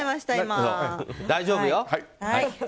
大丈夫よ。